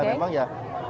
memang ya harus